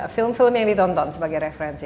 film film yang ditonton sebagai referensi